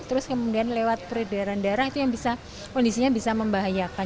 terus kemudian lewat peredaran darah itu yang bisa kondisinya bisa membahayakan